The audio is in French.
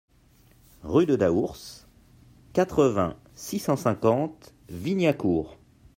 Rue de Daours, quatre-vingts, six cent cinquante Vignacourt